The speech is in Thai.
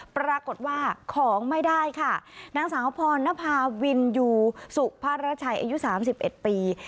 ปรากฏว่าของไม่ได้ค่ะนางสาวพรณภาวินอยู่สุขภรรชัยอายุสามสิบเอ็ดปี